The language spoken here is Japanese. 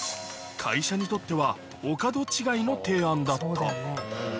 会社にとっては、お門違いの提案だった。